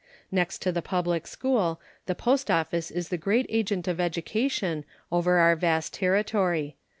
Next to the public school, the post office is the great agent of education over our vast territory.